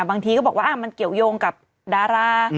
บางทีก็บอกว่ามันเกี่ยวยงกับดารา